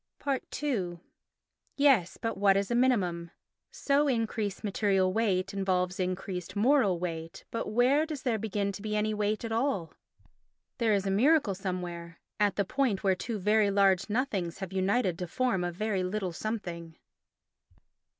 ii Yes, but what is a minimum? So increased material weight involves increased moral weight, but where does there begin to be any weight at all? There is a miracle somewhere. At the point where two very large nothings have united to form a very little something.